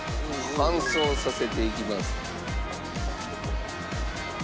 乾燥させていきます。